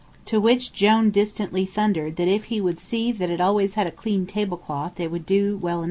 To which Jone distantly thundered that if he would see that it always had a clean tablecloth it would do well enough.